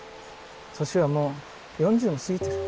年はもう４０も過ぎてる。